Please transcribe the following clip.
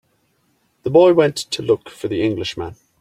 The boy went to look for the Englishman.